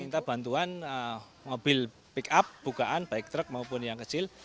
minta bantuan mobil pick up bukaan baik truk maupun yang kecil